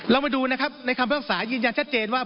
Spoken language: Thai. มาดูนะครับในคำพิพากษายืนยันชัดเจนว่า